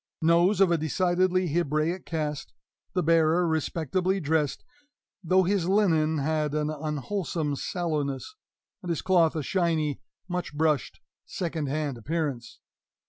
Nose of a decidedly Hebraic cast the bearer respectably dressed, though his linen had an unwholesome sallowness, and his cloth a shiny, much brushed, second hand appearance.